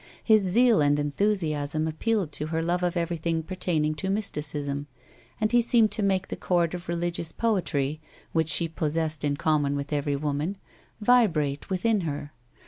His zeal and enthusiasm appealed to her love of everything pertaining to mysticism, and he seemed to make the chord of religious poetry, which she possessed in common with every woman, vibrate within her.